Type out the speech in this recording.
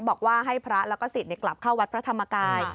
บอกว่าให้พระแล้วก็สิทธิ์กลับเข้าวัดพระธรรมกาย